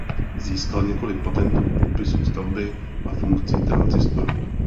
Získal několik patentů k popisu stavby a funkci tranzistoru.